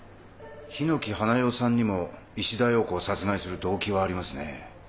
檜華代さんにも石田洋子を殺害する動機はありますね。